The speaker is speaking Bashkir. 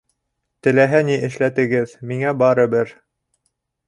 Теләһә ни эшләтегеҙ, миңә барыбер.